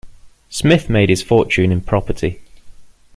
Smith made his fortune in property.